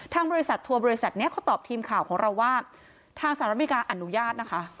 บริษัททัวร์บริษัทนี้เขาตอบทีมข่าวของเราว่าทางสหรัฐอเมริกาอนุญาตนะคะ